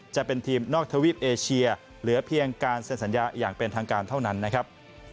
จะเป็นทีมนอกทวีปเอเชียเหลือเพียงการเซ็นสัญญาอย่างเป็นทางการเท่านั้นนะครับ